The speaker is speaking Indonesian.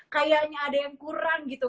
kayaknya ada yang kurang gitu